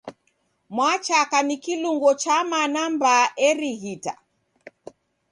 Mwachaka ni kilungo cha mana m'baa erighita.